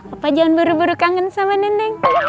opa jangan baru baru kangen sama neneng